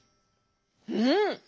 うん！